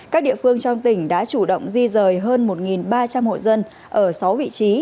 các địa phương trong tỉnh đã chủ động di rời hơn một ba trăm linh hộ dân ở sáu vị trí